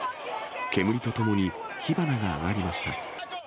煙とともに火花が上がりました。